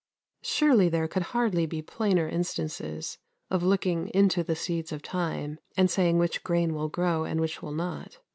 " Surely there could hardly be plainer instances of looking "into the seeds of time, and saying which grain will grow, and which will not," than these.